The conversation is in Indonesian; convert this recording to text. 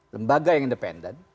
lembaga yang independen